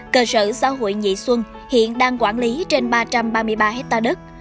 cơ sở xã hội nhị xuân hiện đang quản lý trên ba trăm ba mươi ba hectare đất